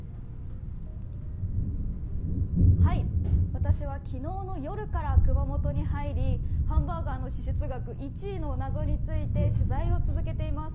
私は昨日の夜から熊本に入り、ハンバーガーの支出額１位の謎について取材を続けています。